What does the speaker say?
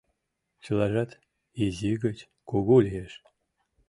— Чылажат изи гыч кугу лиеш.